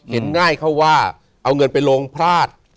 เห็นง่ายเข้าว่าเอาเงินไปลงพลาด